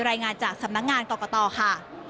รายงานจากสำนักงานกรกตค่ะ